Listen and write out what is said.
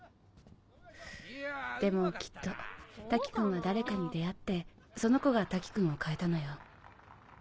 でもきっと瀧くんは誰かに出会ってその子が瀧くんを変えたのよ。